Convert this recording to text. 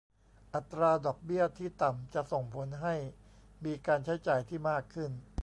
อัตราดอกเบี้ยที่ต่ำจะส่งผลให้มีการใช้จ่ายที่มากขึ้น